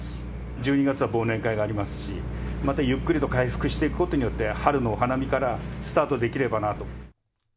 １２月は忘年会がありますし、またゆっくりと回復していくことによって、春のお花見からスタートできればなと。